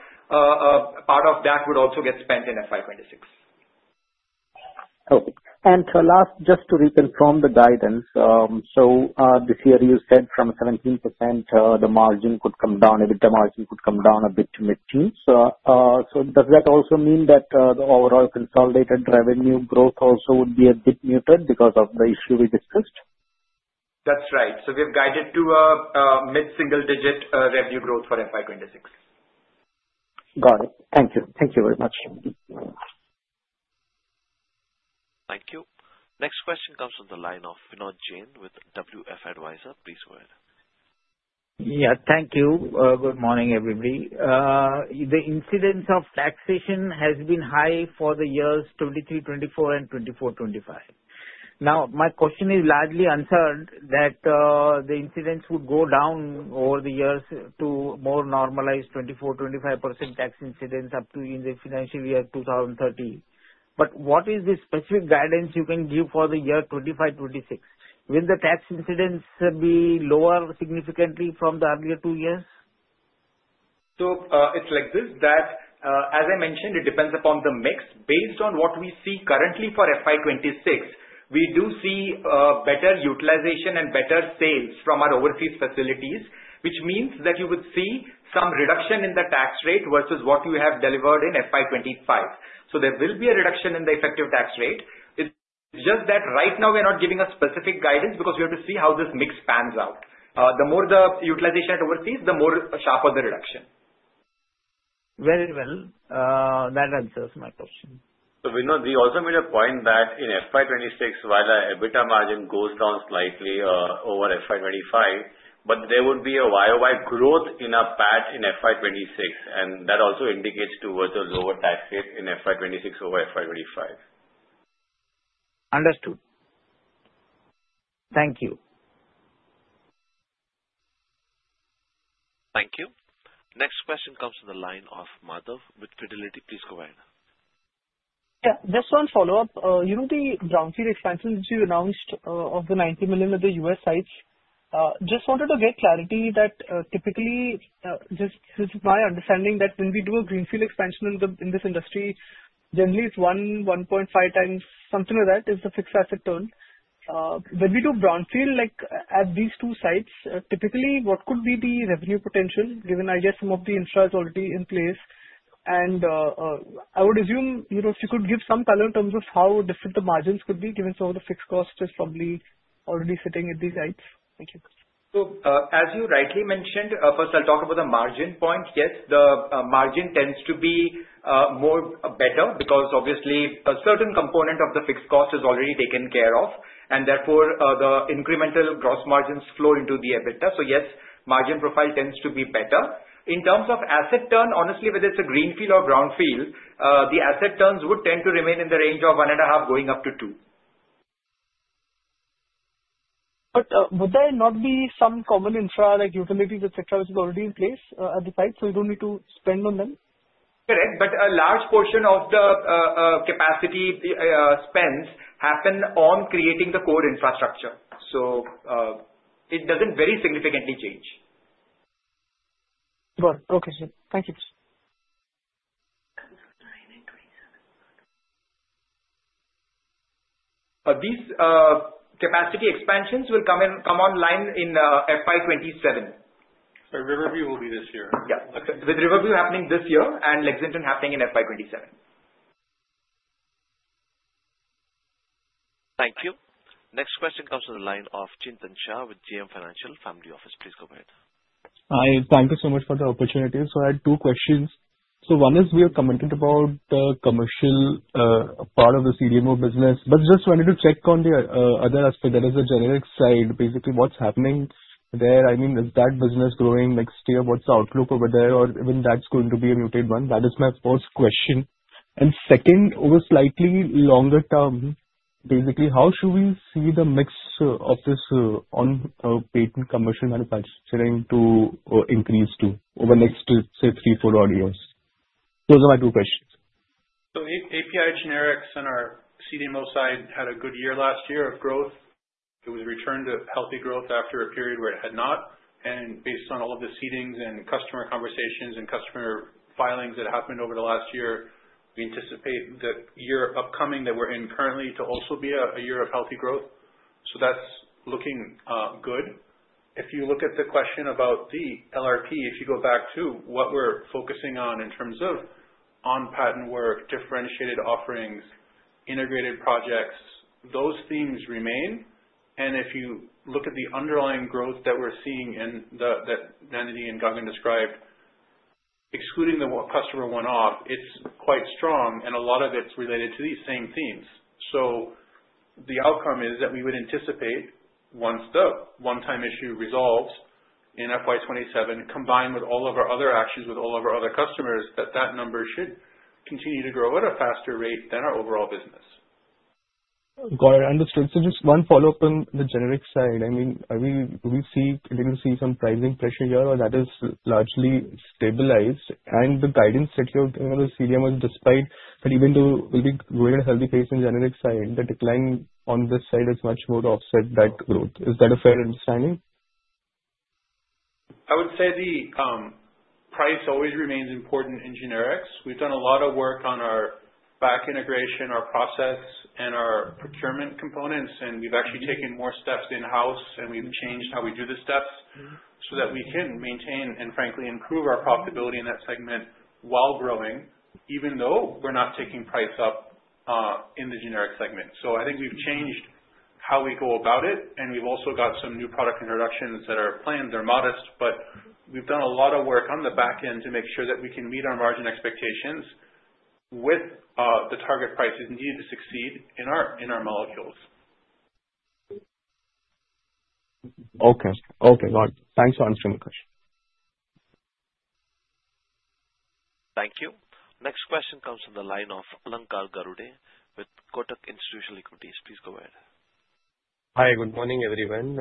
S7: Part of that would also get spent in FY2026.
S12: Okay. Last, just to reconfirm the guidance. This year, you said from 17%, the margin could come down, EBITDA margin could come down a bit to mid-teens. Does that also mean that the overall consolidated revenue growth also would be a bit muted because of the issue we discussed?
S7: That's right. We have guided to a mid-single-digit revenue growth for FY 2026.
S12: Got it. Thank you. Thank you very much.
S1: Thank you. Next question comes from the line of Vinod Jain with WF Advisor. Please go ahead.
S13: Yeah. Thank you. Good morning, everybody. The incidence of taxation has been high for the years 2023, 2024, and 2024, 2025. Now, my question is largely answered that the incidence would go down over the years to more normalized 24%-25% tax incidence up to in the financial year 2030. What is the specific guidance you can give for the year 2025, 2026? Will the tax incidence be lower significantly from the earlier two years?
S7: It is like this that, as I mentioned, it depends upon the mix. Based on what we see currently for FY 2026, we do see better utilization and better sales from our overseas facilities, which means that you would see some reduction in the tax rate versus what you have delivered in FY 2025. There will be a reduction in the effective tax rate. It is just that right now, we are not giving a specific guidance because we have to see how this mix pans out. The more the utilization at overseas, the sharper the reduction.
S13: Very well. That answers my question.
S7: Vinod, we also made a point that in FY 2026, while our EBITDA margin goes down slightly over FY 2025, there would be a year-over-year growth in our PAT in FY 2026. That also indicates towards a lower tax rate in FY 2026 over FY 2025.
S13: Understood. Thank you.
S1: Thank you. Next question comes from the line of Madhav with Fidelity. Please go ahead.
S9: Yeah. Just one follow-up. You know the brownfield expansion that you announced of $90 million at the US sites? Just wanted to get clarity that typically, just my understanding that when we do a greenfield expansion in this industry, generally it's 1-1.5 times something like that is the fixed asset turn. When we do brownfield at these two sites, typically what could be the revenue potential given, I guess, some of the infra is already in place? I would assume if you could give some color in terms of how different the margins could be given some of the fixed cost is probably already sitting at these sites. Thank you.
S7: As you rightly mentioned, first I'll talk about the margin point. Yes, the margin tends to be better because obviously a certain component of the fixed cost is already taken care of. Therefore, the incremental gross margins flow into the EBITDA. Yes, margin profile tends to be better. In terms of asset turn, honestly, whether it's a greenfield or brownfield, the asset turns would tend to remain in the range of 1.5-2.
S9: Would there not be some common infra like utilities, etc., which is already in place at the site so you don't need to spend on them?
S7: Correct. A large portion of the capacity spends happen on creating the core infrastructure. It does not very significantly change.
S9: Got it. Okay, sir. Thank you.
S7: These capacity expansions will come online in FY 2027.
S5: Riverview will be this year.
S7: Yeah. With Riverview happening this year and Lexington happening in FY 2027.
S1: Thank you. Next question comes from the line of Chinthan Shah with GM Financial Family Office. Please go ahead.
S14: Hi. Thank you so much for the opportunity. I had two questions. One is we have commented about the commercial part of the CDMO business, but just wanted to check on the other aspect. There is a generic side. Basically, what's happening there? I mean, is that business growing next year? What's the outlook over there? Or when that's going to be a muted one? That is my first question. Second, over slightly longer term, basically, how should we see the mix of this on patent commercial manufacturing to increase to over the next, say, three, four odd years? Those are my two questions.
S5: API generics on our CDMO side had a good year last year of growth. It was returned to healthy growth after a period where it had not. Based on all of the seedings and customer conversations and customer filings that happened over the last year, we anticipate the year upcoming that we're in currently to also be a year of healthy growth. That's looking good. If you look at the question about the LRP, if you go back to what we're focusing on in terms of on-patent work, differentiated offerings, integrated projects, those themes remain. If you look at the underlying growth that we're seeing in that Nandini and Gagan described, excluding the customer one-off, it's quite strong. A lot of it's related to these same themes. The outcome is that we would anticipate once the one-time issue resolves in FY 2027, combined with all of our other actions with all of our other customers, that that number should continue to grow at a faster rate than our overall business.
S14: Got it. Understood. Just one follow-up on the generic side. I mean, we see continuously some pricing pressure here, or that has largely stabilized. The guidance that you have given on the CDMOs, despite that, even though we'll be growing at a healthy pace in the generic side, the decline on this side is much more to offset that growth. Is that a fair understanding?
S5: I would say the price always remains important in generics. We've done a lot of work on our back integration, our process, and our procurement components. We've actually taken more steps in-house, and we've changed how we do the steps so that we can maintain and, frankly, improve our profitability in that segment while growing, even though we're not taking price up in the generic segment. I think we've changed how we go about it. We've also got some new product introductions that are planned. They're modest. We've done a lot of work on the back end to make sure that we can meet our margin expectations with the target prices needed to succeed in our molecules.
S14: Okay. Okay. Got it. Thanks for answering the question.
S1: Thank you. Next question comes from the line of Alankar Garude with Kotak Institutional Equities. Please go ahead.
S15: Hi. Good morning, everyone.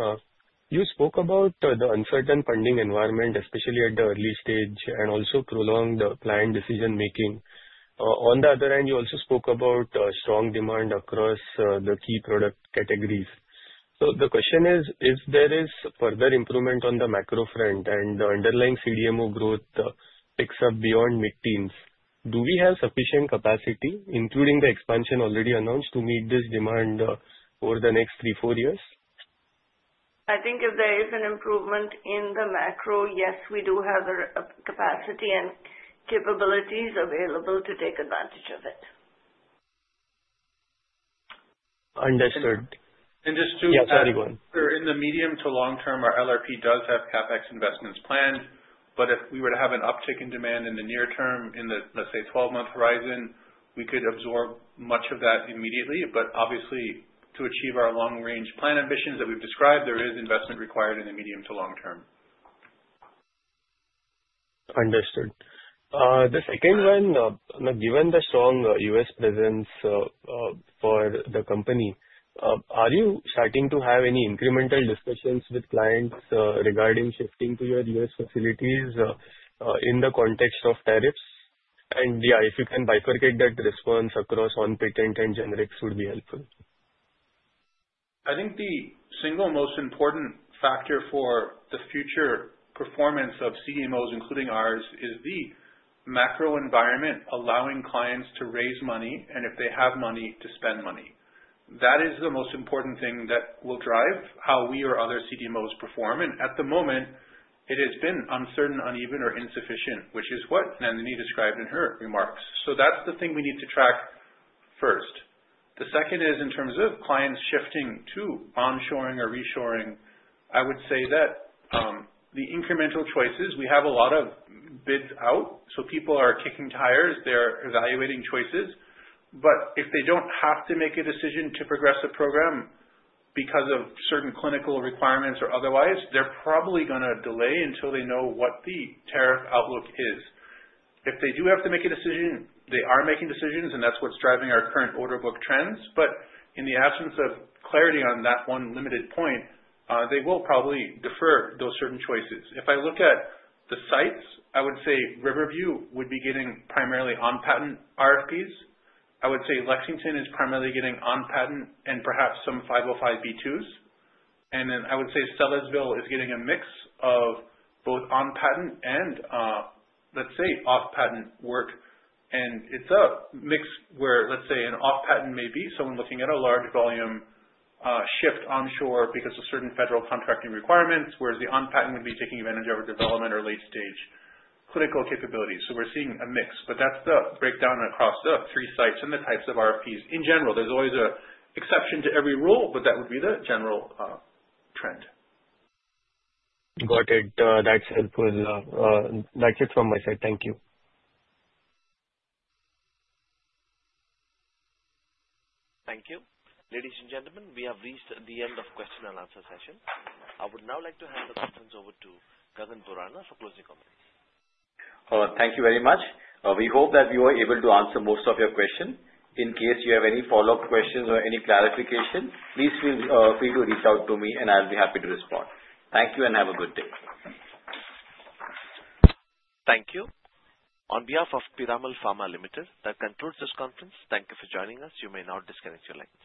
S15: You spoke about the uncertain funding environment, especially at the early stage, and also prolonged planned decision-making. On the other hand, you also spoke about strong demand across the key product categories. The question is, if there is further improvement on the macro front and the underlying CDMO growth picks up beyond mid-teens, do we have sufficient capacity, including the expansion already announced, to meet this demand over the next three to four years?
S3: I think if there is an improvement in the macro, yes, we do have capacity and capabilities available to take advantage of it.
S5: Understood. Just two. Yes, everyone. In the medium to long term, our LRP does have CapEx investments planned. If we were to have an uptick in demand in the near term, in the, let's say, 12-month horizon, we could absorb much of that immediately. Obviously, to achieve our long-range plan ambitions that we've described, there is investment required in the medium to long term.
S15: Understood. The second one, given the strong US presence for the company, are you starting to have any incremental discussions with clients regarding shifting to your US facilities in the context of tariffs? Yeah, if you can bifurcate that response across on patent and generics would be helpful.
S5: I think the single most important factor for the future performance of CDMOs, including ours, is the macro environment allowing clients to raise money and, if they have money, to spend money. That is the most important thing that will drive how we or other CDMOs perform. At the moment, it has been uncertain, uneven, or insufficient, which is what Nandini described in her remarks. That is the thing we need to track first. The second is in terms of clients shifting to onshoring or reshoring, I would say that the incremental choices, we have a lot of bids out. People are kicking tires. They are evaluating choices. If they do not have to make a decision to progress a program because of certain clinical requirements or otherwise, they are probably going to delay until they know what the tariff outlook is. If they do have to make a decision, they are making decisions, and that's what's driving our current order book trends. In the absence of clarity on that one limited point, they will probably defer those certain choices. If I look at the sites, I would say Riverview would be getting primarily on-patent RFPs. I would say Lexington is primarily getting on-patent and perhaps some 505B2s. I would say Sellersville is getting a mix of both on-patent and, let's say, off-patent work. It's a mix where, let's say, an off-patent may be someone looking at a large volume shift onshore because of certain federal contracting requirements, whereas the on-patent would be taking advantage of a development or late-stage clinical capabilities. We're seeing a mix. That's the breakdown across the three sites and the types of RFPs. In general, there's always an exception to every rule, but that would be the general trend. Got it. That's helpful. That's it from my side. Thank you.
S1: Thank you. Ladies and gentlemen, we have reached the end of the question and answer session. I would now like to hand the questions over to Gagan Borana for closing comments.
S2: Thank you very much. We hope that we were able to answer most of your questions. In case you have any follow-up questions or any clarification, please feel free to reach out to me, and I'll be happy to respond. Thank you and have a good day.
S1: Thank you. On behalf of Piramal Pharma Limited, that concludes this conference. Thank you for joining us. You may now disconnect your lines.